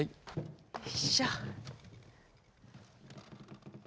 よいしょ。